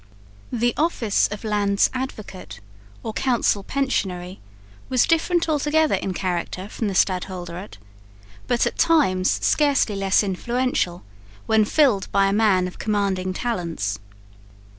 The office of Land's Advocate or Council Pensionary was different altogether in character from the stadholderate, but at times scarcely less influential, when filled by a man of commanding talents.